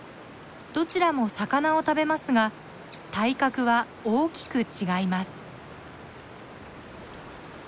どちらも魚を食べますが体格は大きく違います。